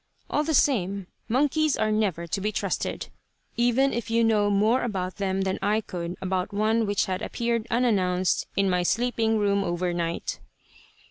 All the same, monkeys are never to be trusted, even if you know more about them than I could about one which had appeared unannounced in my sleeping room over night.